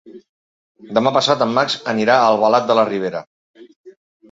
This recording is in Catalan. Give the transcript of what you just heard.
Demà passat en Max anirà a Albalat de la Ribera.